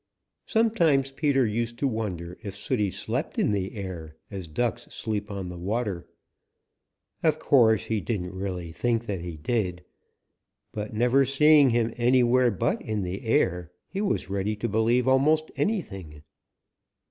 Sometimes Peter used to wonder if Sooty slept in the air as Ducks sleep on the water. Of course, he didn't really think that he did, but never seeing him anywhere but in the air, he was ready to believe almost anything.